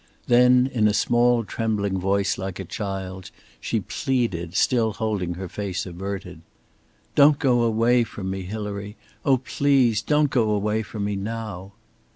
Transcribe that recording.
Then in a small trembling voice, like a child's, she pleaded, still holding her face averted: "Don't go away from me, Hilary! Oh, please! Don't go away from me now!"